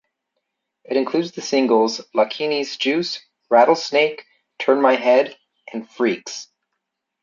It includes the singles "Lakini's Juice", "Rattlesnake", "Turn My Head" and "Freaks".